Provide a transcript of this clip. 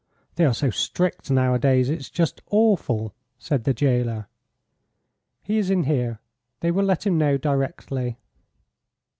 "They are so strict nowadays, it's just awful," said the jailer. "He is in here; they will let him know directly."